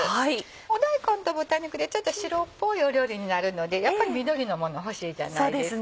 大根と豚肉で白っぽい料理になるのでやっぱり緑のもの欲しいじゃないですか。